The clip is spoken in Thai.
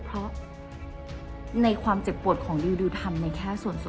เพราะในความเจ็บปวดของดิวทำในแค่ส่วนตัว